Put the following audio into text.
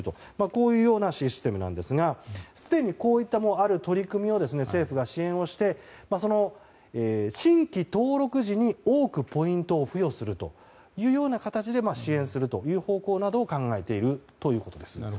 こういうシステムなんですがすでにこういった取り組みを政府が支援をして新規登録時に多くポイントを付与するというような形で支援するという方向などを考えているということです。